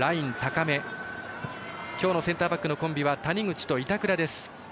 今日のセンターバックのコンビは谷口と板倉です。